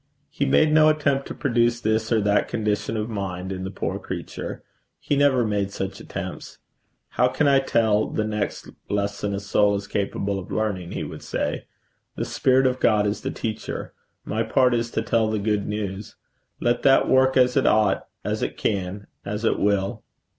He made no attempt to produce this or that condition of mind in the poor creature. He never made such attempts. 'How can I tell the next lesson a soul is capable of learning?' he would say. 'The Spirit of God is the teacher. My part is to tell the good news. Let that work as it ought, as it can, as it will.'